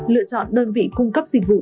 lựa chọn đơn vị cung cấp dịch vụ